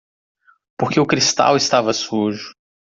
Porque o cristal estava sujo.